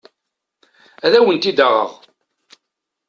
Ad awen-t-id-aɣeɣ.